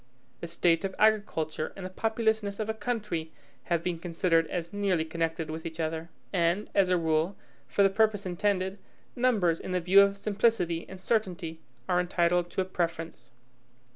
The state of agriculture and the populousness of a country have been considered as nearly connected with each other. And, as a rule, for the purpose intended, numbers, in the view of simplicity and certainty, are entitled to a preference.